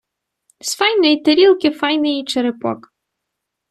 З файної тарілки файний і черепок.